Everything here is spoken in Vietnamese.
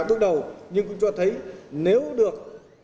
bước đầu nhưng cũng cho thấy nếu được